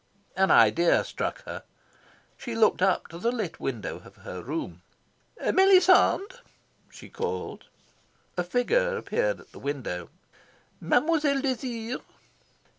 An idea struck her. She looked up to the lit window of her room. "Melisande!" she called. A figure appeared at the window. "Mademoiselle desire?"